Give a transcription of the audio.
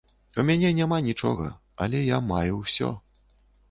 У мяне няма нічога, але я маю ўсё.